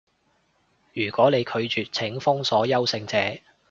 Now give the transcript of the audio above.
如果你拒絕，請封鎖優勝者